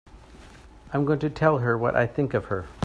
I'm going to tell her what I think of her!